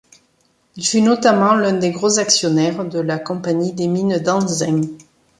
Il fut notamment l'un des gros actionnaires de la compagnie des mines d'Anzin.